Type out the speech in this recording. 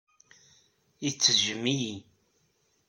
Ittejjem-iyi.